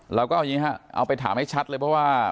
เราก็เอาอย่างนี้ฮะเอาไปถามให้ชัดเลยเพราะว่า